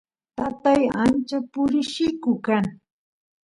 tatay ancha purilliku kan